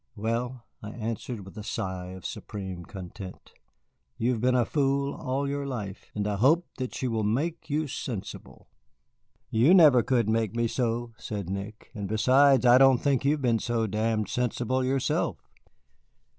"Well," I answered with a sigh of supreme content, "you have been a fool all your life, and I hope that she will make you sensible." "You never could make me so," said Nick, "and besides, I don't think you've been so damned sensible yourself."